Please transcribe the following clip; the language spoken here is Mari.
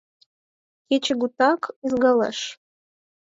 Кечыгутак ызгалеш.